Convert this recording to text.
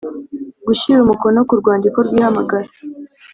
gushyira umukono ku rwandiko rw ihamagara